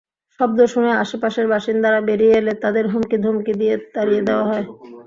শব্দ শুনে আশপাশের বাসিন্দারা বেরিয়ে এলে তাঁদের হুমকি-ধমকি দিয়ে তাড়িয়ে দেওয়া হয়।